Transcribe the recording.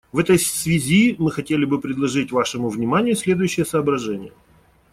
В этой связи мы хотели бы предложить вашему вниманию следующие соображения.